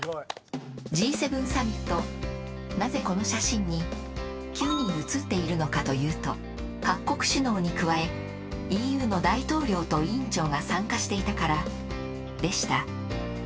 Ｇ７サミットなぜこの写真に９人写っているのかというと各国首脳に加えＥＵの大統領と委員長が参加していたからでした。